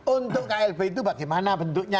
untuk klb itu bagaimana bentuknya